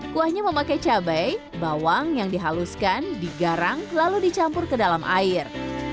kuahnya memakai cabai bawang yang dihaluskan digarang lalu dicampur ke dalam air